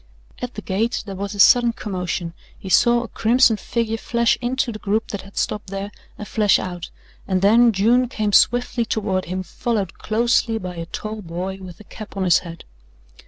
At the gate there was a sudden commotion, he saw a crimson figure flash into the group that had stopped there, and flash out, and then June came swiftly toward him followed closely by a tall boy with a cap on his head.